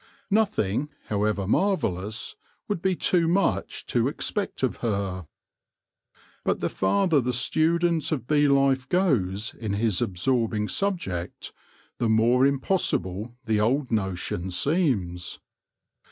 Nothing, however marvellous, would be too much to expect of her. But the farther the student of bee life goes in his absorbing subject, the more im possible the old notion seems.